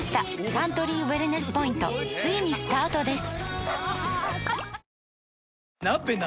サントリーウエルネスポイントついにスタートです！